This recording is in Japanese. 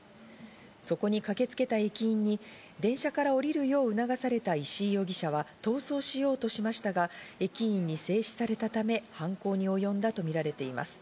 そこに駆けつけた駅員に電車から降りるよう促された石井容疑者は、逃走しようとしましたが、駅員に制止されたため、犯行におよんだとみられています。